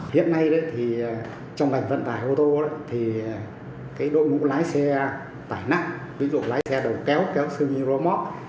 hiện nay trong vận tải ô tô thì đội ngũ lái xe tải nặng ví dụ lái xe đầu kéo kéo xương như rô móc